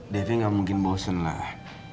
daving gak mungkin bosen lah